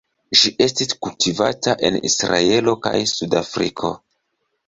Ĝi estis kultivata en Israelo kaj Sudafriko.